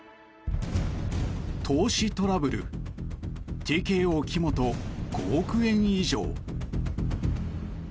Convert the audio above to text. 投資トラブルＴＫＯ、木本、５億円以上。